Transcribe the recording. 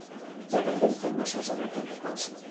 Hi ha gaire informació sobre aquest cos?